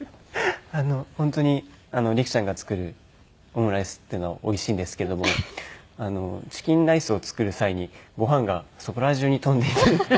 本当に璃来ちゃんが作るオムライスっていうのはおいしいんですけどもチキンライスを作る際にご飯がそこら中に飛んでいて。